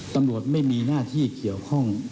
ตำรวจไม่มีหน้าที่เกี่ยวข้อง